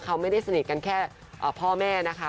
เขาไม่ได้สนิทกันแค่พ่อแม่นะคะ